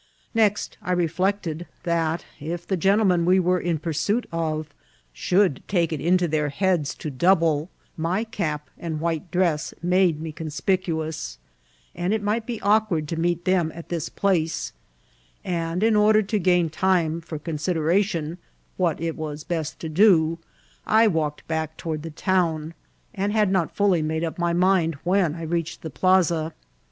Next I reflected that, if the gentlemen we were in pursuit o{ should take it into their heads to double^ my cap and white dress made me conspicuous, and it might be awk* ward to meet them at this place ; and, in cHrder to gain time for consideration what it was best to do, I walked back toward the town, and had not fully made up my mind when I reached the plasa.